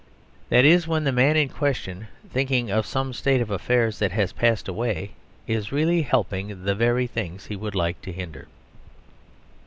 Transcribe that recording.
That is when the man in question, thinking of some state of affairs that has passed away, is really helping the very things he would like to hinder.